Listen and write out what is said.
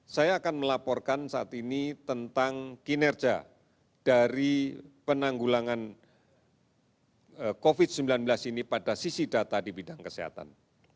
saya akan melaporkan saat ini tentang kinerja dari penanggulangan covid sembilan belas ini pada sisi data di bidang kesehatan